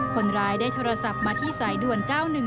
คนร้ายได้โทรศัพท์มาที่สายด่วน๙๑๑